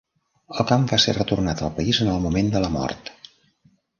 El camp va ser retornat al país en el moment de la mort.